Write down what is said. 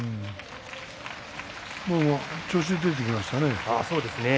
調子が出てきましたね。